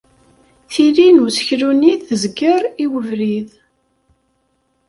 Tili n useklu-nni tezger i webrid.